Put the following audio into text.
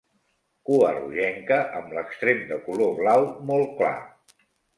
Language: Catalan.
Cua rogenca amb l'extrem de color blau molt clar.